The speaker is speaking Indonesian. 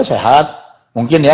sehat mungkin ya